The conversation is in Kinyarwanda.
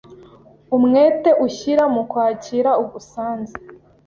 umwete ushyira mu kwakira ugusanze.